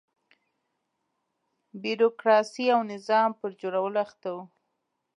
بیروکراسۍ او نظام پر جوړولو اخته و.